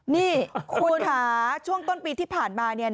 นี่คุณค่ะช่วงต้นปีที่ผ่านมา